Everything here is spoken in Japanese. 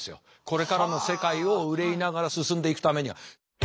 これからの世界を憂いながら進んでいくためには。